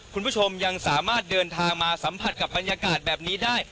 คุณผู้ชมยังสามารถเดินทางมาสัมผัสกับบรรยากาศแบบนี้ได้